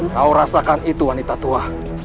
kau rasakan itu wanita tua